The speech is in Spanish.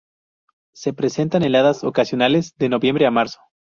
Se presentan heladas ocasionales de noviembre a marzo.